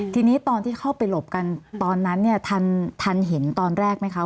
ทีนี้ตอนที่เข้าไปหลบกันตอนนั้นเนี่ยทันเห็นตอนแรกไหมคะ